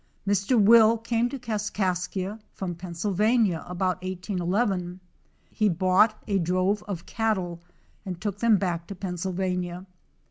Mr. Will came to Kaskaskia from Pennsyl vania about 1811. He bought a drove of cattle and took them back to Pennsylvania.